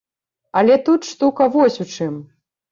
Але тут штука вось у чым.